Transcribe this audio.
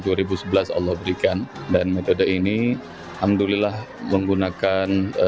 dari tahun dua ribu sebelas allah berikan dan metode ini alhamdulillah menggunakan